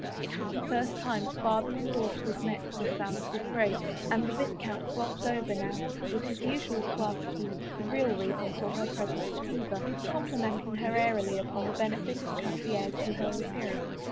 It was the first time father and daughter had met since Anne's disgrace and the viscount glossed over now, with his usual suavity, the real reason for her presence at Hever, complimenting her airily upon the benefit of country air to her appearance.